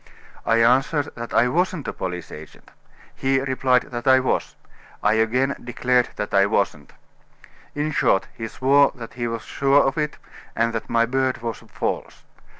I answered that I wasn't a police agent. He replied that I was. I again declared that I wasn't. In short, he swore that he was sure of it, and that my beard was false.